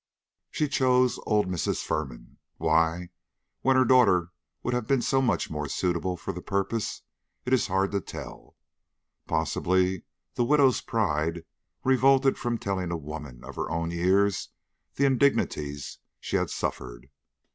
She chose old Mrs. Firman. Why, when her daughter would have been so much more suitable for the purpose, it is hard to tell; possibly the widow's pride revolted from telling a woman of her own years the indignities she had suffered.